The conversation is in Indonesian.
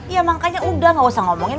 ya makanya udah gak usah ngomongin